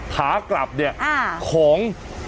การหากลับเนี่ยของ